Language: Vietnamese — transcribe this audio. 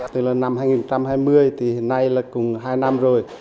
từ năm hai nghìn hai mươi thì hôm nay là cùng hai năm rồi